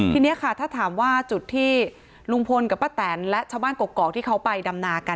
ทีนี้ค่ะถ้าถามว่าจุดที่ลุงพลกับป้าแตนและชาวบ้านกรกที่เขาไปดำนากัน